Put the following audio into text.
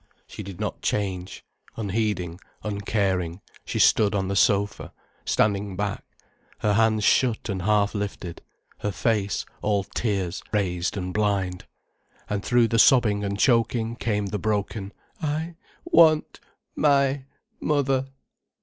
She did not change. Unheeding, uncaring, she stood on the sofa, standing back, alone, her hands shut and half lifted, her face, all tears, raised and blind. And through the sobbing and choking came the broken: "I—want—my—mother."